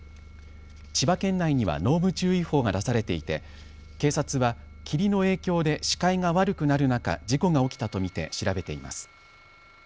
千葉県内には濃霧注意報が出されていて警察は霧の影響で視界が悪くなる中、事故が起きたと見て調べています。